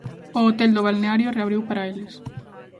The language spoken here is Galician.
O hotel do balneario reabriu para eles.